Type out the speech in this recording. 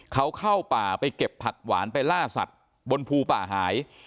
เขาเข้าป่าไปเก็บผักหวานไปล่าสัตว์บนภูป่าหาย